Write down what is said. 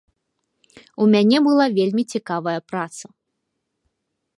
У мяне была вельмі цікавая праца.